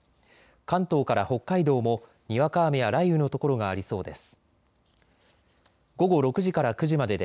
関東から北海道もにわか雨や雷雨の所がありそうです。